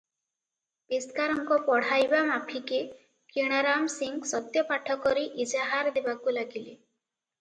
ପେସ୍କାରଙ୍କ ପଢ଼ାଇବା ମାଫିକେ କିଣାରାମ ସିଂ ସତ୍ୟପାଠ କରି ଇଜାହାର ଦେବାକୁ ଲାଗିଲେ ।